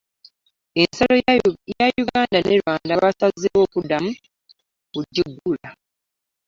Ensalo ya Uganda ne Rwanda basazeewo okuddamu okugiggula.